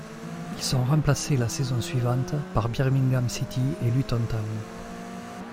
Ils sont remplacés la saison suivante par Birmingham City et Luton Town.